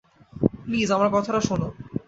Please, আমার কথাটা শোন।